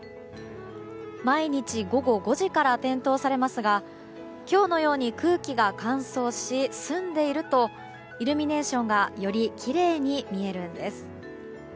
毎日、午後５時から点灯されますが今日のように空気が乾燥し澄んでいるとイルミネーションがよりきれいに見えるんです。